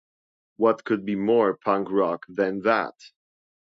What could be more punk rock than that?